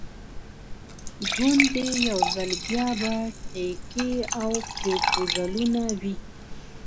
ګوندې یو ځل بیا به ټیکې او پروپوزلونه وي.